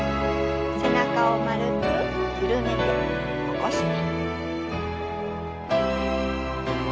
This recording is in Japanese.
背中を丸く緩めて起こして。